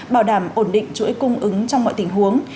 bảo đảm ổn định chuỗi cung ứng trong mọi tình huống